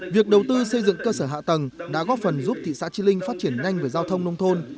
việc đầu tư xây dựng cơ sở hạ tầng đã góp phần giúp thị xã chi linh phát triển nhanh về giao thông nông thôn